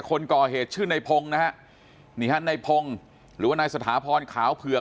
คนก่อเหตุชื่อในพงศ์นะฮะนี่ฮะในพงศ์หรือว่านายสถาพรขาวเผือก